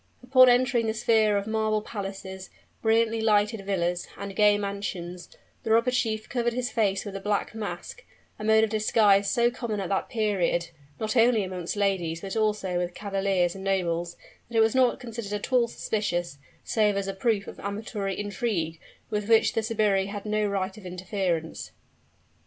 Upon entering the sphere of marble palaces, brilliantly lighted villas, and gay mansions, the robber chief covered his face with a black mask a mode of disguise so common at that period, not only amongst ladies, but also with cavaliers and nobles, that it was not considered at all suspicious, save as a proof of amatory intrigue, with which the sbirri had no right of interference.